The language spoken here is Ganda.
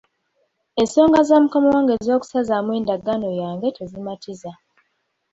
Ensonga za mukama wange ez'okusazaamu endagaano yange tezimatiza.